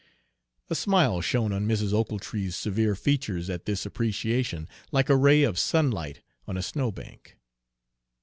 A smile shone on Mrs. Ochiltree's severe features at this appreciation, like a ray of sunlight on a snowbank.